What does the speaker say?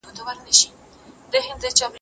آیا ته به ماته د خپلې نوې دندې په اړه ووایې؟